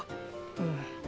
うん。